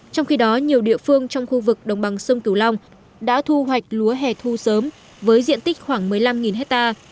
trong khi đó nhiều địa phương trong khu vực đồng bằng sông cửu long đã thu hoạch lúa hẻ thu sớm với diện tích khoảng một mươi năm ha